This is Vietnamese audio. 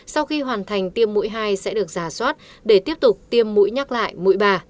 sau khi hoàn thành tiêm mũi hai sẽ được giả soát để tiếp tục tiêm mũi nhắc lại mũi bà